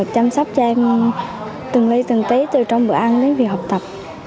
chăm sóc cho em từng ly từng tế từ trong bữa ăn đến việc học tập